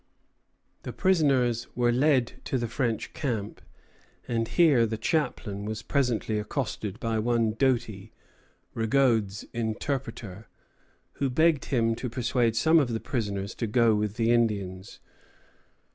The prisoners were led to the French camp; and here the chaplain was presently accosted by one Doty, Rigaud's interpreter, who begged him to persuade some of the prisoners to go with the Indians.